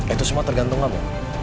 itu semua tergantung kamu